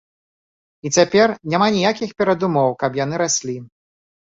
І цяпер няма ніякіх перадумоў, каб яны раслі.